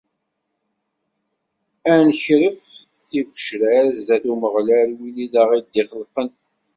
Ad nekref tigecrar sdat Umeɣlal, win i aɣ-d-ixelqen.